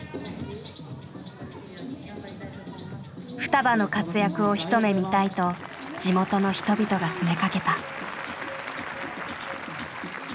ふたばの活躍を一目見たいと地元の人々が詰めかけた。